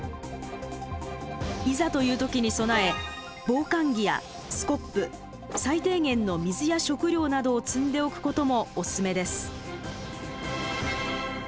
いざという時に備え防寒着やスコップ最低限の水や食料などを積んでおくこともお勧めです。